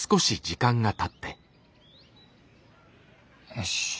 よし。